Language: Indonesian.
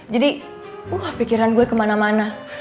jadi wah pikiran gue kemana mana